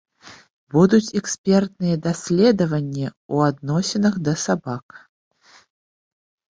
Будуць экспертныя даследаванні ў адносінах да сабак.